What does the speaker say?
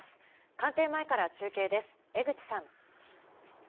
官邸前から中継です、江口さん。